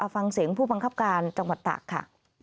ฟังเสียงผู้บังคับการจังหวัดตากค่ะ